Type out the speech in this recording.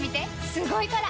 すごいから！